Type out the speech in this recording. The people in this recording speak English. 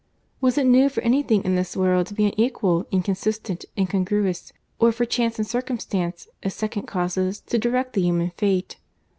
—Was it new for any thing in this world to be unequal, inconsistent, incongruous—or for chance and circumstance (as second causes) to direct the human fate?